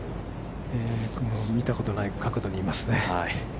見たことない角度にいますね。